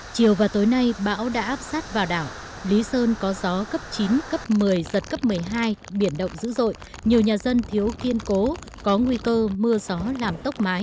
chiều và tối nay bão đã áp sát vào đảo lý sơn có gió cấp chín cấp một mươi giật cấp một mươi hai biển động dữ dội nhiều nhà dân thiếu kiên cố có nguy cơ mưa gió làm tốc mái